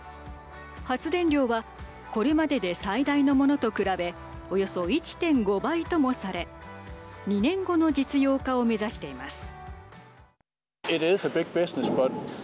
発電量は、これまでで最大のものと比べおよそ１．５倍ともされ２年後の実用化を目指しています。